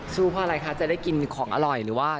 เพราะอะไรคะจะได้กินของอร่อยหรือว่า